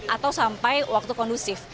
atau sampai waktu kondusif